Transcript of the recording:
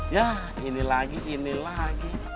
ya ini lagi ini lagi